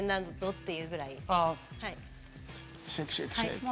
はい。